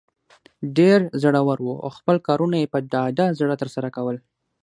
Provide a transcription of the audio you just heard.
ډیر زړه ور وو او خپل کارونه یې په ډاډه زړه تر سره کول.